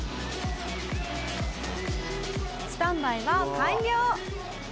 スタンバイは完了。